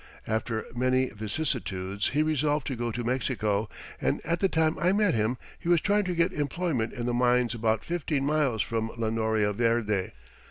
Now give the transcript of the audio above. After many vicissitudes he resolved to go to Mexico, and at the time I met him he was trying to get employment in the mines about fifteen miles from La Noria Verde.